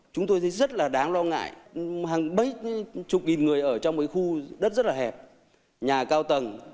chúng tôi thấy rất là đáng lo ngại hàng bấy chục nghìn người ở trong cái khu đất rất là hẹp nhà cao tầng